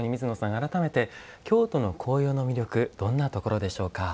改めて、京都の紅葉の魅力どんなところでしょうか？